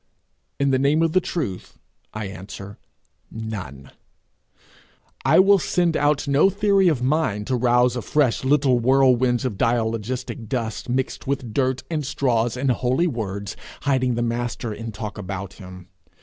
'In the name of the truth,' I answer, None. I will send out no theory of mine to rouse afresh little whirlwinds of dialogistic dust mixed with dirt and straws and holy words, hiding the Master in talk about him.